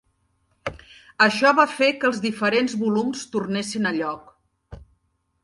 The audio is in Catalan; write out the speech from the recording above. Això va fer que els diferents volums tornessin a lloc.